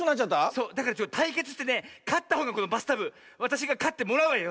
そうだからたいけつしてねかったほうがこのバスタブわたしがかってもらうわよ。